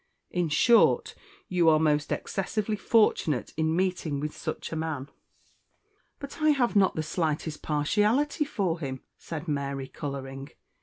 In short, you are most excessively fortunate in meeting with such a man." "But I have not the slightest partiality for him," said Mary, colouring.